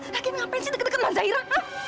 lagi ngapain sih deket deket sama zahira